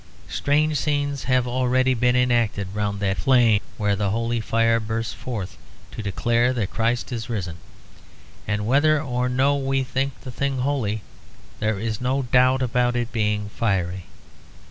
Strange scenes have already been enacted round that fane where the Holy Fire bursts forth to declare that Christ is risen; and whether or no we think the thing holy there is no doubt about it being fiery.